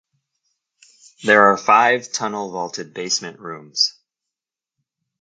There are five tunnel-vaulted basement rooms.